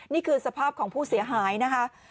นี่คือสภาพของผู้เสียหายนะคะ